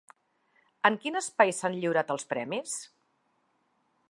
En quin espai s'han lliurat els premis?